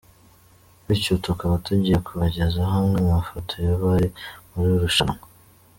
Bityo tukaba tugiye kubagezaho amwe mu mafoto y’abari mu irushanwa.